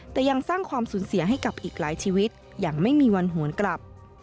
แต่ยังสร้างความสูญเสียให้กับอีกหลายชีวิตอย่างไม่มีวันหวนกลับ